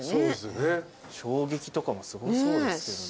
衝撃とかもすごそうですけどね。